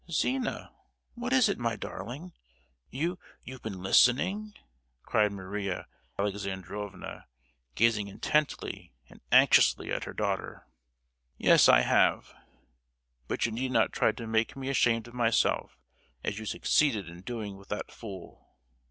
"Zina—what is it, my darling? You—you've been listening?" cried Maria Alexandrovna, gazing intently and anxiously at her daughter. "Yes, I have; but you need not try to make me ashamed of myself as you succeeded in doing with that fool.